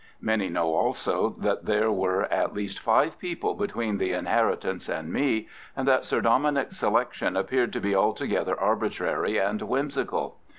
Many know also that there were at least five people between the inheritance and me, and that Sir Dominick's selection appeared to be altogether arbitrary and whimsical.